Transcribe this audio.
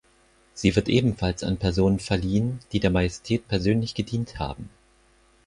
Sie wird ebenfalls an Personen verliehen, die der Majestät persönlich gedient haben.